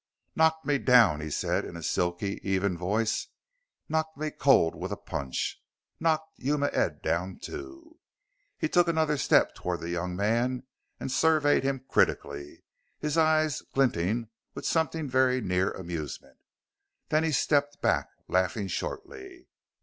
"Knocked me down!" he said in a silky, even voice. "Knocked me cold with a punch. Knocked Yuma Ed down too!" He took another step toward the young man and surveyed him critically, his eyes glinting with something very near amusement. Then he stepped back, laughing shortly.